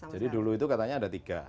jadi dulu itu katanya ada tiga